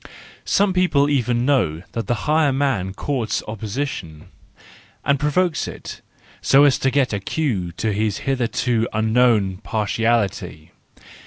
Some people even know that the higher man courts opposition, and provokes it, so as to get a cue to his hitherto unknown parti¬ ality.